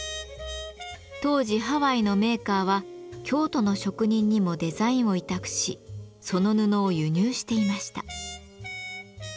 当時ハワイのメーカーは京都の職人にもデザインを委託しその布を輸入していました。